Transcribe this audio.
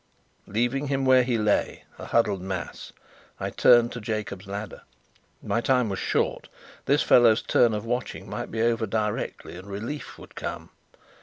Leaving him where he lay, a huddled mass, I turned to "Jacob's Ladder." My time was short. This fellow's turn of watching might be over directly, and relief would come.